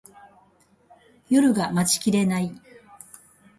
夜が待ちきれない